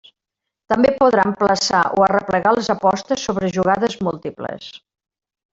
També podrà emplaçar o arreplegar les apostes sobre jugades múltiples.